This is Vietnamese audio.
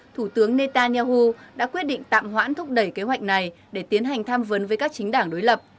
thủ tướng netanyahu đã quyết định tạm hoãn thúc đẩy kế hoạch này để tiến hành tham vấn với các chính đảng đối lập